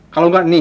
kalau enggak nih